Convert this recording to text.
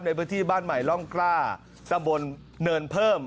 ในพื้นที่บ้านใหม่ร่องกล้าตำบลเนินเพิ่ม